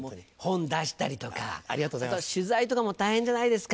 本出したりとかあと取材とかも大変じゃないですか？